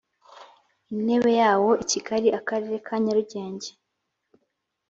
intebe yawo i kigali akarere ka nyarugenge